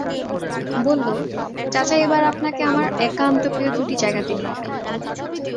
বলল, চাচা এবার আপনাকে আমার একান্ত প্রিয় দুটি জায়গাতে নিয়ে যাব।